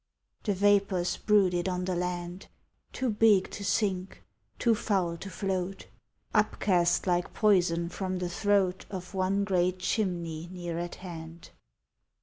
The vapors brooded on the land, Too big to sink, too foul to float, Upcast like poison from the throat Of one great chimney near at hand.